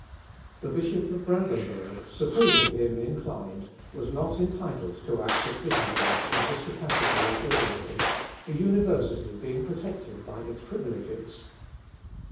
] The bishop of Brandenburg, supposing him inclined, was not entitled to act at Wittemberg in his capacity of ordinary, the university being protected by its privileges.